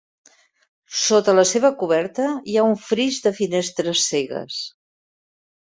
Sota la seva coberta hi ha un fris de finestres cegues.